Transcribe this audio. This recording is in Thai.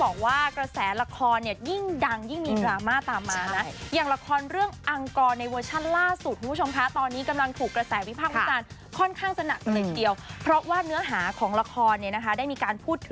ความรักคุณผู้ชมเข้าสู่บนเทิงไทยรัฐ